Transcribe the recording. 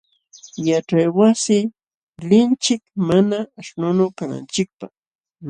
Yaćhaywasin linchik mana aśhnunu kananchikpaq.